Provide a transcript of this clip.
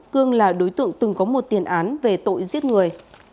cương là đối tượng từng có một tiền án về tội giết người